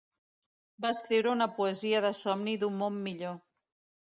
Va escriure una poesia de somni d'un món millor.